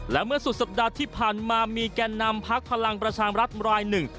และเมื่อสุดสัปดาห์ที่ผ่านมามีแก่นำพักพลังประชามรัฐรายหนึ่ง